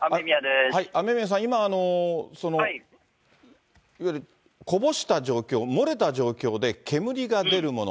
雨宮さん、今、いわゆるこぼした状況、漏れた状況で煙が出るもの。